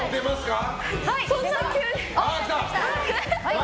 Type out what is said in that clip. そんな急に。